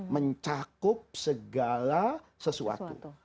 mencakup segala sesuatu